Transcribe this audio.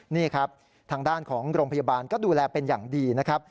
นี่ครับทางด้านของโรงพยาบาลก็ดูแลเป็นอย่างดีนะครับ